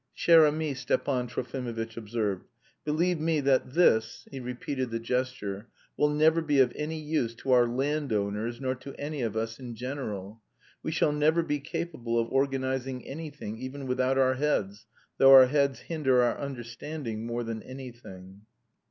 "Cher ami," Stepan Trofimovitch observed, "believe me that this (he repeated the gesture) will never be of any use to our landowners nor to any of us in general. We shall never be capable of organising anything even without our heads, though our heads hinder our understanding more than anything."